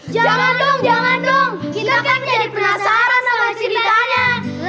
jangan dong jangan dong kita kan jadi penasaran sama ceritanya